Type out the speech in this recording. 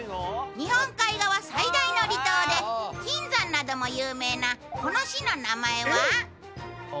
日本海側最大の離島で金山なども有名なこの市の名前は？